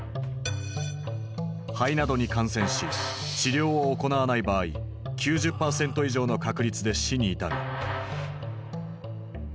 肺などに感染し治療を行わない場合９０％以上の確率で死に至る。